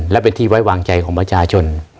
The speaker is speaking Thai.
และเป็นที่ไว้วางใจของประชาชน